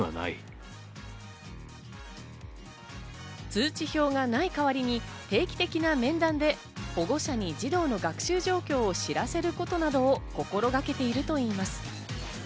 通知表がない代わりに、定期的な面談で、保護者に児童の学習状況を知らせることなどを心がけているといいます。